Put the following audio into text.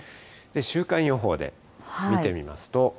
週間予報で見てみますと。